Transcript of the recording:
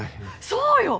そうよ！